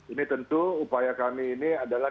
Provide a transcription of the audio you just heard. ini tentu upaya kami ini adalah